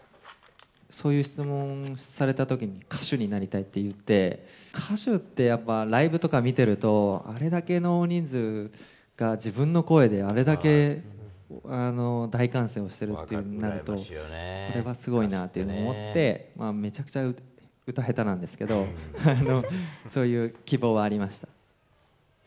そういう質問されたときに、歌手になりたいって言って、歌手ってやっぱ、ライブとか見てると、あれだけの大人数が自分の声であれだけ大歓声をしてるっていうふうになると、これはすごいなっていうふうに思って、めちゃくちゃ歌下手なんですけど、そういう希望はありました。